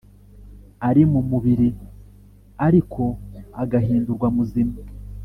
ari mu mubiri ariko agahindurwa muzima